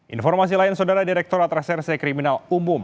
informasi lain saudara direktur atras rsi kriminal umum